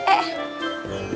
aduh banyak angin